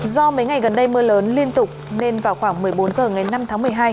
do mấy ngày gần đây mưa lớn liên tục nên vào khoảng một mươi bốn h ngày năm tháng một mươi hai